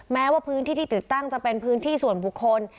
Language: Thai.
แม้ว่าพื้นที่ที่ติดตั้งจะเป็นพื้นที่ส่วนบุคคล